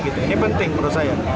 ini penting menurut saya